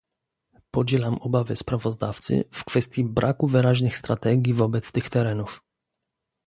Podzielam obawy sprawozdawcy w kwestii braku wyraźnych strategii wobec tych terenów